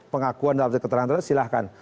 pengakuan dalam keterangan terakhir silahkan